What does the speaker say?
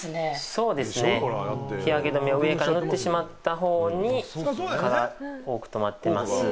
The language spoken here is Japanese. そうですね、日焼け止めを上から塗ってしまった方に多く止まってますね。